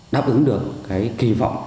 đáp ứng được cái kỳ vọng